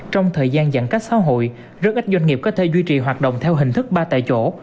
trong thời gian giãn cách xã hội rất ít doanh nghiệp có thể duy trì hoạt động theo hình thức ba tại chỗ